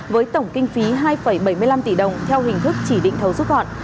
với tổng kinh phí hai bảy mươi năm tỷ đồng theo hình thức chỉ định thấu xuất gọn